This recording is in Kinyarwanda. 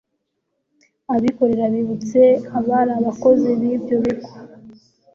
abikorera bibutse abari abakozi b'ibyo bigo i